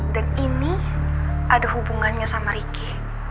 dan ini ada hubungannya sama ricky